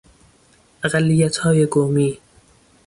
اقلیت های قومی